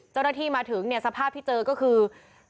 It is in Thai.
เจ้าหน้าที่มาถึงเนี่ยสภาพที่เจอก็คือ